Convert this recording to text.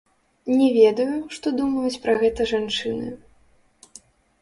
Не ведаю, што думаюць пра гэта жанчыны.